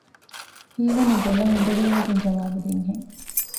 ހީވަނީ ބޮލަށް އުނދަގޫވެގެން ޖަވާބު ދިން ހެން